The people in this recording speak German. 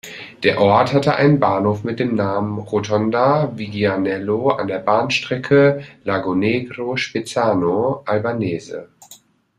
Der Ort hatte einen Bahnhof mit dem Namen Rotonda-Viggianello an der Bahnstrecke Lagonegro–Spezzano Albanese.